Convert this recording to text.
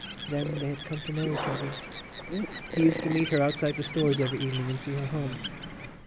Then they had come to know each other. He used to meet her outside the Stores every evening and see her home.